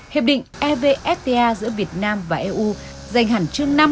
hiệp định evfta giữa việt nam và eu dành hẳn chương năm